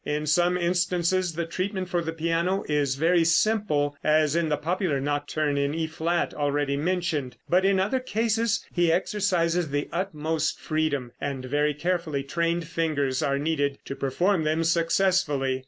In some instances the treatment for the piano is very simple, as in the popular nocturne in E flat, already mentioned; but in other cases he exercises the utmost freedom, and very carefully trained fingers are needed to perform them successfully.